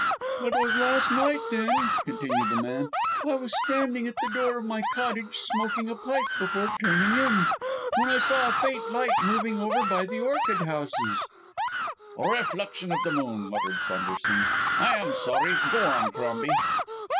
"It was last night then," continued the man. "I was standing at the door of my cottage smoking a pipe before turning in, when I saw a faint light moving over by the orchid houses " "Reflection of the moon," muttered Saunderson. "I am sorry. Go on, Crombie!"